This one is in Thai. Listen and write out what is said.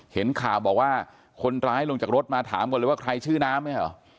เห็นข่าวบอกว่าคนร้ายลงจากรถมาถามก่อนเลยว่าใครชื่อน้ำเนี่ยเหรอ